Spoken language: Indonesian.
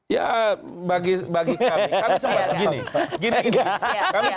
ya bagi kami